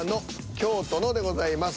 「京都の」でございます。